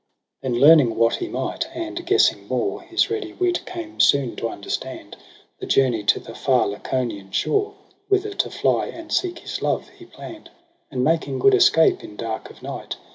Then learning what he might and guessing more. His ready wit came soon to understand The journey to the far Laconian shore • Whither to fly and seek his love he plan'd : And making good escape in dark of night.